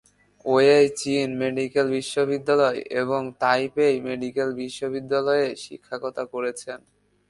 Wei চীন medical বিশ্ববিদ্যালয় এবং তাইপেই মেডিকেল বিশ্ববিদ্যালয়ে শিক্ষকতা করেছেন।